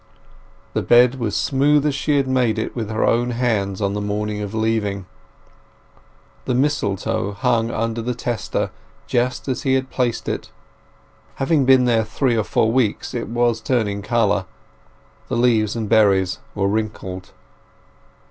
The bed was smooth as she had made it with her own hands on the morning of leaving. The mistletoe hung under the tester just as he had placed it. Having been there three or four weeks it was turning colour, and the leaves and berries were wrinkled.